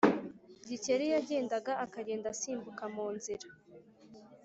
Gikeli yagenda akagenda asimbuka munzira